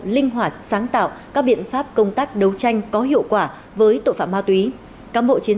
kinh hoạt sáng tạo các biện pháp công tác đấu tranh có hiệu quả với tội phạm ma túy các mộ chiến